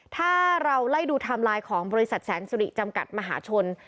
ถ้าเราไล่ดูไทม์ไลน์ของบริษัทแสนสุริจำกัดมหาชน